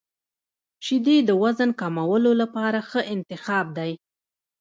• شیدې د وزن کمولو لپاره ښه انتخاب دي.